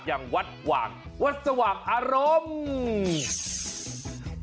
อย่างวัดหว่างวัดสว่างอารมณ์